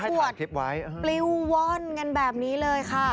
คือปลิ้วว่อนกันแบบนี้เลยค่ะ